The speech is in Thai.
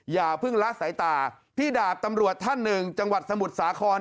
อย่าเพิ่งละสายตาพี่ดาบตำรวจท่านหนึ่งจังหวัดสมุทรสาคร